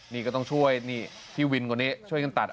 นี่ก็ต้องช่วยนี่พี่วินคนนี้ช่วยกันตัด